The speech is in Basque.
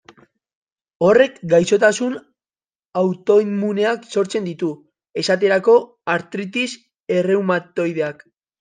Horrek gaixotasun autoimmuneak sortzen ditu, esterako artritis erreumatoideak.